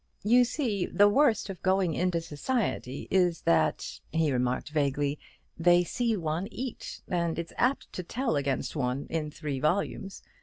"You see, the worst of going into society is that," he remarked vaguely, "they see one eat; and it's apt to tell against one in three volumes.